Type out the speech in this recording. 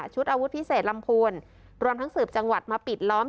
อาวุธพิเศษลำพูนรวมทั้งสืบจังหวัดมาปิดล้อม